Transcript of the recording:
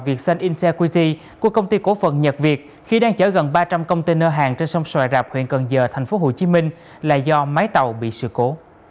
việt sơn integrity của công ty cổ phần nhật việt khi đang chở gần ba trăm linh container hàng trên sông xoài rạp huyện cần giờ thành phố hồ chí minh là do máy tàu bị sự cố